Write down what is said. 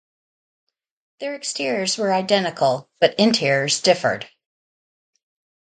Their exteriors were identical, but interiors differed.